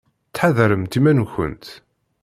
Ttḥadaremt iman-nkent.